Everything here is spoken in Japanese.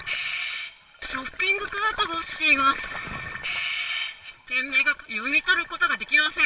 ショッピングカートが落ちています。